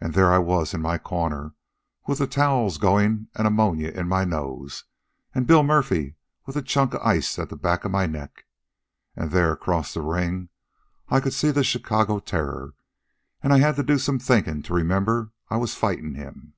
An' there I was, in my corner, with the towels goin' an' ammonia in my nose an' Bill Murphy with a chunk of ice at the back of my neck. An' there, across the ring, I could see the Chicago Terror, an' I had to do some thinkin' to remember I was fightin' him.